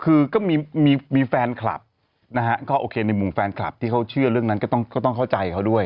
คือก็มีแฟนคลับนะฮะก็โอเคในมุมแฟนคลับที่เขาเชื่อเรื่องนั้นก็ต้องเข้าใจเขาด้วย